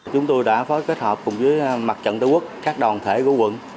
chúng tôi đã phối kết hợp cùng với mặt trận tư quốc các đoàn thể của quận